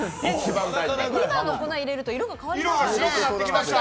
２番の粉を入れると色が変わりますね。